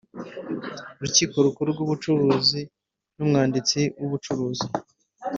Rukiko Rukuru rw Ubucuruzi n Umwanditsi mubucuruzi